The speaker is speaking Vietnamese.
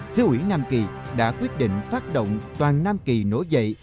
xứ ủy nam kỳ đã quyết định phát động toàn nam kỳ nổ dậy